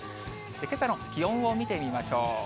けさの気温を見てみましょう。